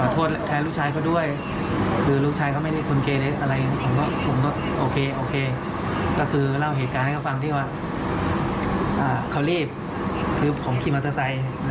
โทษตัวแหงที่ไม่ต้องทำอะไร